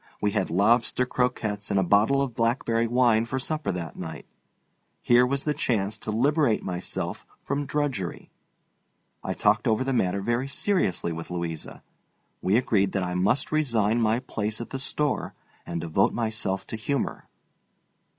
We had lobster croquettes and a bottle of blackberry wine for supper that night. Here was the chance to liberate myself from drudgery. I talked over the matter very seriously with Louisa. We agreed that I must resign my place at the store and devote myself to humor.